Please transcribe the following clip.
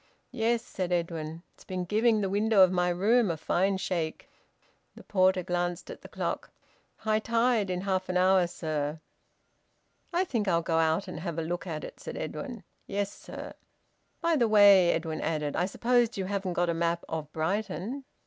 "Yes," said Edwin. "It's been giving the window of my room a fine shake." The porter glanced at the clock. "High tide in half an hour, sir." "I think I'll go out and have a look at it," said Edwin. "Yes, sir." "By the way," Edwin added, "I suppose you haven't got a map of Brighton?"